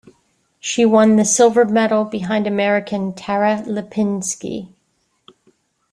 She won the silver medal behind American Tara Lipinski.